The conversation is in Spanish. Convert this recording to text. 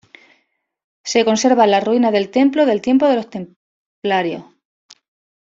Se conserva las ruinas del castillo del tiempo de los templarios.